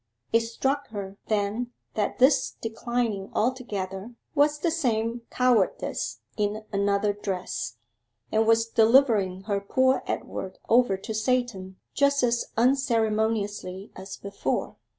It struck her then that this declining altogether was the same cowardice in another dress, and was delivering her poor Edward over to Satan just as unceremoniously as before.